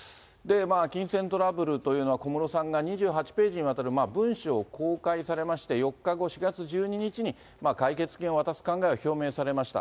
金銭トラブルというのは、小室さんが２８ページにわたる文書を公開されまして、４日後、４月１２日に解決金を渡す考えを表明されました。